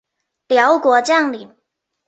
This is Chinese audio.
辽国将领。